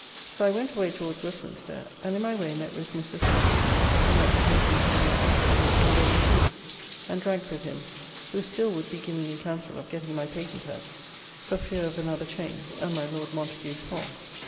So I went away towards Westminster, and in my way met with Mr. Spong, and went with him to Mr. Lilly and ate some bread and cheese, and drank with him, who still would be giving me council of getting my patent out, for fear of another change, and my Lord Montagu's fall.